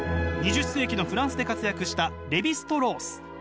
２０世紀のフランスで活躍したレヴィ＝ストロース。